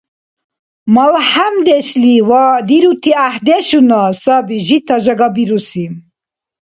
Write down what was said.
МалхӀямдешли ва дирути гӀяхӀдешуна саби жита жагабируси.